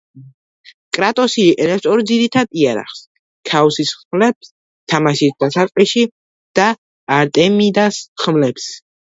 კრატოსი იყენებს ორ ძირითად იარაღს: „ქაოსის ხმლებს“ თამაშის დასაწყისში და „არტემიდას ხმლებს“.